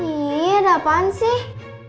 ih ada apaan sih